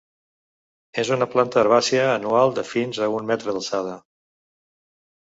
És una planta herbàcia anual de fins a un metre d'alçada.